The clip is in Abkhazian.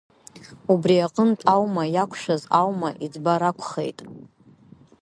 Убри аҟнытә, аума иақәшәаз аума иӡбар акәхеит.